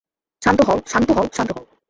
শান্ত হও, শান্ত হও, শান্ত হও।